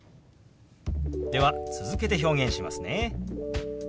では続けて表現しますね。